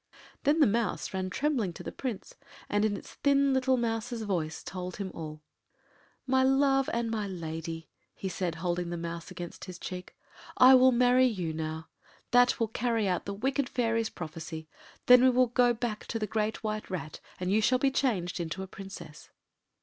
Then the Mouse ran trembling to the Prince, and in its thin little mouse’s voice told him all. “My love and my lady,” he said, holding the Mouse against his cheek. “I will marry you now. That will carry out the wicked fairy’s prophecy. Then we will go back to the Great White Rat, and you shall be changed into a Princess.